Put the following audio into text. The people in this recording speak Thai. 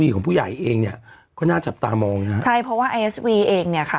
ของผู้ใหญ่เองเนี่ยก็น่าจับตามองนะฮะใช่เพราะว่าไอเอสวีเองเนี่ยค่ะ